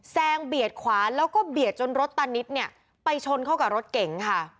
งเบียดขวาแล้วก็เบียดจนรถตานิดเนี่ยไปชนเข้ากับรถเก๋งค่ะ